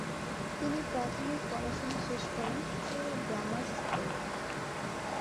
তিনি প্রাথমিক পড়াশোনা শেষ করেন ট্রুরু গ্রামার স্কুলে।